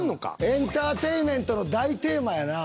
エンターテインメントの大テーマやな。